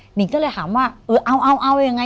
หนิงก็เลยถามว่าเอายังไง